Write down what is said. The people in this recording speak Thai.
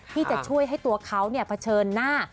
ที่จะช่วยให้ตัวเขาเผชิญหน้า